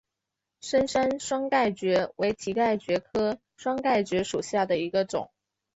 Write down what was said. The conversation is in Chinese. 深山双盖蕨为蹄盖蕨科双盖蕨属下的一个种。